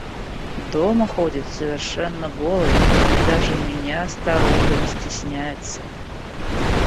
Дома ходит совершенно голой и даже меня, старуху, не стесняется.